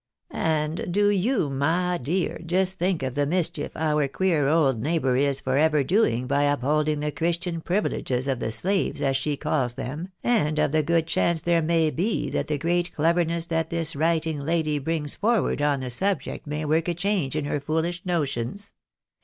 And do you, my dear, just think of the mischief our queer old neighbour is for ever doing by upholding the Christian privi leges of the slaves, as she calls them, and of the good chance there may be that the great cleverness that this writing lady brings for ward on the subject may work a change in her foohsh notions ; and A TEST OF LOVK PROPOSED.